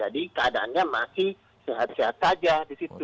jadi keadaannya masih sehat sehat saja di situ